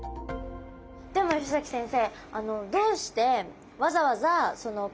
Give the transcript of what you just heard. でも吉崎先生